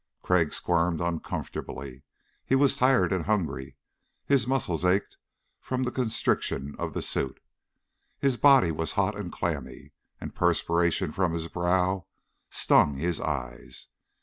Crag squirmed uncomfortably. He was tired and hungry; his muscles ached from the constriction of the suit. His body was hot and clammy, and perspiration from his brow stung his eyes.